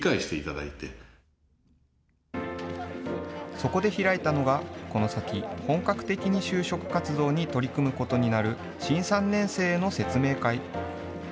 そこで開いたのが、この先、本格的に就職活動に取り組むことになる新３年生への説明会。